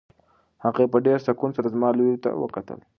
هغې په ډېر سکون سره زما لوري ته وکتل.